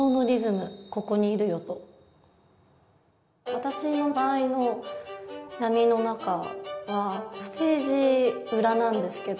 私の場合の「闇のなか」はステージ裏なんですけど。